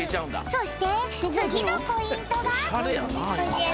そしてつぎのポイントが。